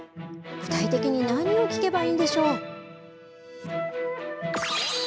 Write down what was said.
具体的に何を聞けばいいんでしょう。